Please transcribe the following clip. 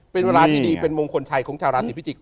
เป็นเวลาที่ดีเป็นมงคลชัยของชาวราศีพิจิกษ